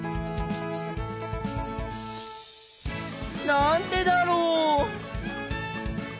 なんでだろう？